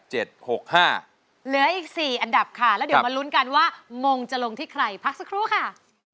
เหลืออีก๔อันดับค่ะแล้วเดี๋ยวมาลุ้นกันว่ามงจะลงที่ใครพักสักครู่ค่ะ